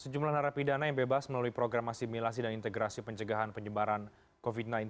sejumlah narapidana yang bebas melalui program asimilasi dan integrasi pencegahan penyebaran covid sembilan belas